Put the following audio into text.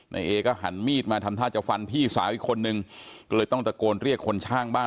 เอก็หันมีดมาทำท่าจะฟันพี่สาวอีกคนนึงก็เลยต้องตะโกนเรียกคนช่างบ้าน